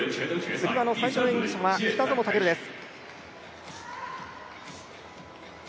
つり輪の最初の演技者は北園丈琉です。